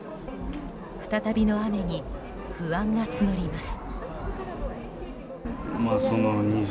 再びの雨に不安が募ります。